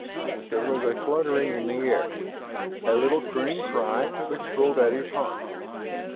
There was a fluttering in the air, a little crooning cry which pulled at his heart.